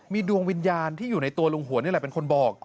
มีดวงวิญญาณที่อยู่ในตัวลุงหวนนี่แหละเป็นคนบอก